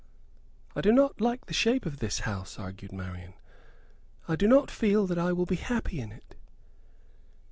"I do not like the shape of this house," argued Marian. "I do not feel that I will be happy in it."